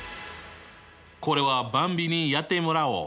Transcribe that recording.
これはばんびにやってもらおう。